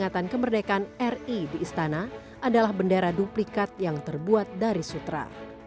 peringatan kemerdekaan ri di istana adalah bendera duplikat yang terbuat dari sutra